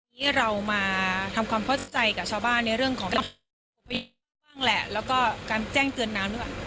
ทีนี้เรามาทำความเพิ่มใจกับชาวบ้านในเรื่องของแล้วก็การแจ้งเตือนน้ำด้วย